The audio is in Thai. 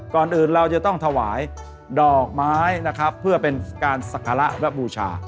ก่อนอื่นเราจะต้องถวายดอกไม้นะครับเพื่อเป็นการศักระและบูชา